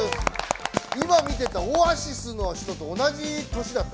今見ててオアシスの人と同じ年だった。